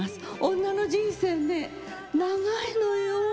女の人生って長いのよ。